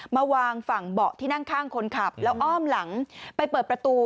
มาวางฝั่งเบาะที่นั่งข้างคนขับแล้วอ้อมหลังไปเปิดประตู